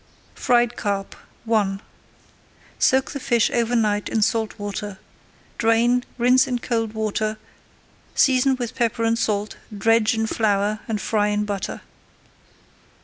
FRIED CARP I Soak the fish over night in salt water. Drain, rinse in cold water, season with pepper and salt, dredge in flour, and fry in butter.